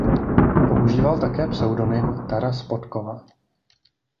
Používal také pseudonym "Taras Podkova".